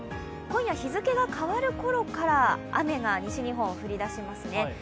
今夜日付が変わるころから西日本では雨が降り出します。